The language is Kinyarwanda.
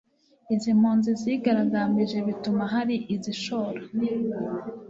Izi mpunzi zarigaragambije bituma hari izishora